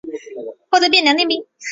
后在汴梁练兵。